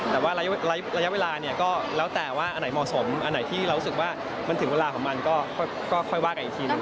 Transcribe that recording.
แต่ว่าระยะเวลาเนี่ยก็แล้วแต่ว่าอันไหนเหมาะสมอันไหนที่เรารู้สึกว่ามันถึงเวลาของมันก็ค่อยว่ากันอีกทีหนึ่ง